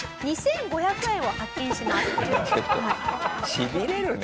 しびれるね。